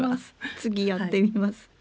次やってみます。